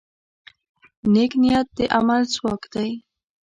نیک نیت د عمل ځواک دی.